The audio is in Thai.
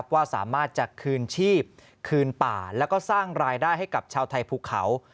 ว่าสามารถจะคืนชีพคืนป่าแล้วก็สร้างรายได้ให้กับชาวไทยภูเขา